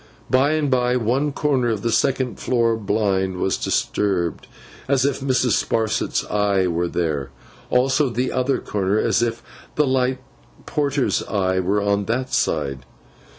By and by, one corner of the second floor blind was disturbed, as if Mrs. Sparsit's eye were there; also the other corner, as if the light porter's eye were on that side.